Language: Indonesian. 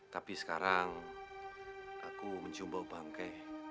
tapi sekarang aku mencoba bangke